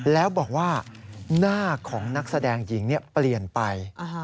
แล้วบอกว่าหน้าของนักแสดงหญิงเปลี่ยนไป